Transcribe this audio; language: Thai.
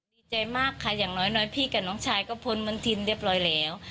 ดีใจมากค่ะอย่างน้อยพี่กับน้องชายก็พ้นมณฑินเรียบร้อยแล้ว